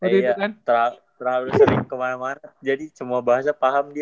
iya terang terang sering kemana mana jadi semua bahasa paham dia